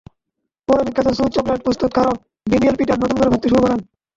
পরে বিখ্যাত Swiss chocolate প্রস্তুতকারক ড্যানিয়েল পিটার নতুন করে ভাবতে শুরু করেন।